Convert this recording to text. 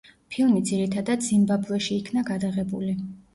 ფილმი ძირითადად ზიმბაბვეში იქნა გადაღებული.